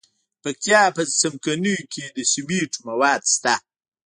د پکتیا په څمکنیو کې د سمنټو مواد شته.